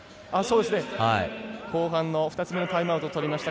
後半の２つ目のタイムアウトをとりました。